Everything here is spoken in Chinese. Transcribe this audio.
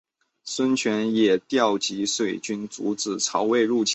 孙权也调集水军阻止曹魏入侵。